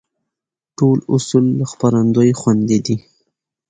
ټول اصول له خپرندوى خوندي دي.